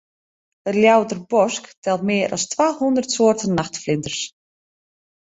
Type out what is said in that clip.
It Ljouwerter Bosk telt mear as twa hûndert soarten nachtflinters.